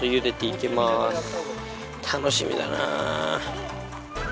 楽しみだな。